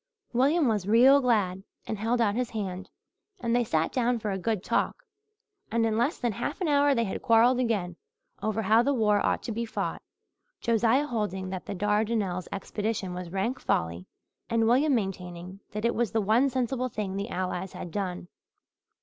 William was real glad and held out his hand, and they sat down for a good talk. And in less than half an hour they had quarrelled again, over how the war ought to be fought, Josiah holding that the Dardanelles expedition was rank folly and William maintaining that it was the one sensible thing the Allies had done.